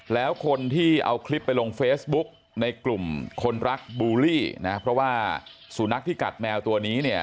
แล้วคนที่เอาคลิปไปลงเฟซบุ๊กในกลุ่มคนรักบูลลี่นะเพราะว่าสุนัขที่กัดแมวตัวนี้เนี่ย